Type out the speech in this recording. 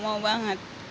mau mau banget